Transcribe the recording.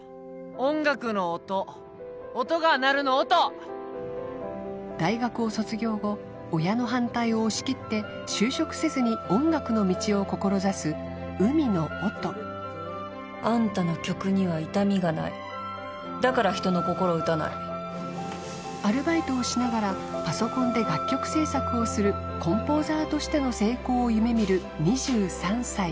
音楽の音音が鳴るの音大学を卒業後親の反対を押し切って就職せずに音楽の道を志す海野音・あんたの曲には痛みがないだから人の心を打たないアルバイトをしながらパソコンで楽曲制作をするコンポーザーとしての成功を夢みる２３歳